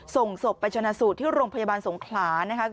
ส่งศพไปชนะสูตรที่โรงพยาบาลสงขลานะคะ